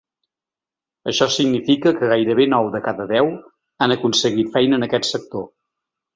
Això significa que gairebé nou de cada deu han aconseguit feina en aquest sector.